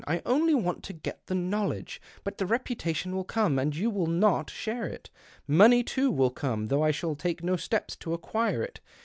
I only want to get the knowledge. But the reputation will come, and you will not share it. Money boo will come, though I shall take no steps :o acquire it.